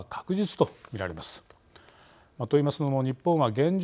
と言いますのも日本は現状